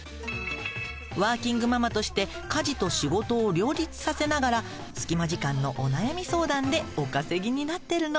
ワーキングママとして家事と仕事を両立させながら隙間時間のお悩み相談でお稼ぎになってるの。